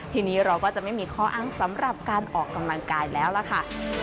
ทีนี้เราก็จะไม่มีข้ออ้างสำหรับการออกกำลังกายแล้วล่ะค่ะ